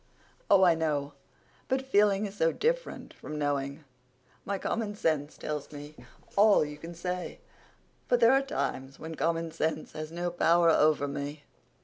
"Oh, I know. But feeling is so different from knowing. My common sense tells me all you can say, but there are times when common sense has no power over me.